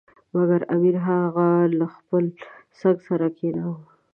مګر امیر هغه له خپل څنګ سره کښېناوه.